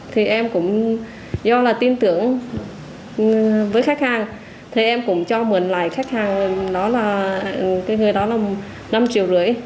thì em cũng do là tin tưởng với khách hàng thì em cũng cho mượn lại khách hàng người đó là năm triệu rưỡi